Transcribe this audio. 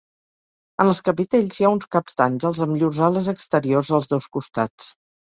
En els capitells hi ha uns caps d'àngels amb llurs ales exteriors als dos costats.